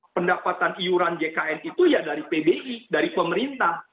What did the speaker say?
pendapatan iuran jkn itu ya dari pbi dari pemerintah